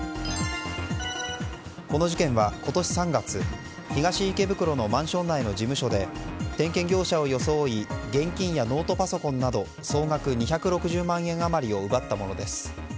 この事件は今年３月東池袋のマンション内の事務所で点検業者を装い現金やノートパソコンなど総額２６０万円余りを奪ったものです。